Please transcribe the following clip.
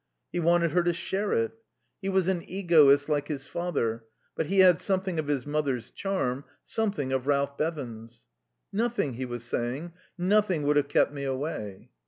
He wanted her to share it. He was an egoist like his father; but he had something of his mother's charm, something of Ralph Bevan's. "Nothing," he was saying, "nothing would have kept me away."